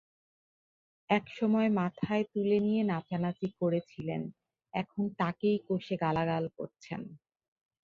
একসময় মাথায় তুলে নিয়ে নাচানাচি করেছিলেন, এখন তাঁকেই কষে গালাগাল করছেন।